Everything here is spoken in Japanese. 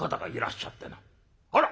「あら！